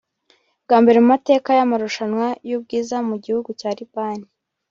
Bwa mbere mu mateka y’amarushanwa y’ubwiza mu gihugu cya Libani